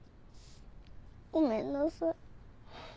ごめんなさい。